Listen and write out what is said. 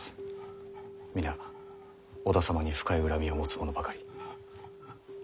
皆織田様に深い恨みを持つ者ばかり。